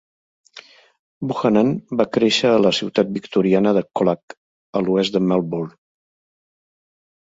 Buchanan va créixer a la ciutat victoriana de Colac, a l'oest de Melbourne.